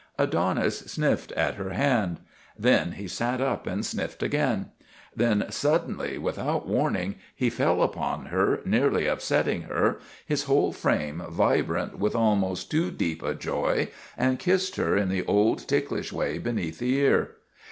Adonis sniffed at her hand. Then he sat up and sniffed again. Then suddenly, without warning, he fell upon her, nearly upsetting her, his whole frame vibrant with almost too deep a joy, and kissed her in the old, ticklish way beneath the ear.